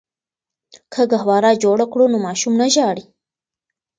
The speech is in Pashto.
که ګهواره جوړه کړو نو ماشوم نه ژاړي.